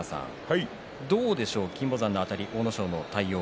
どうでしょう、金峰山のあたりと阿武咲の対応。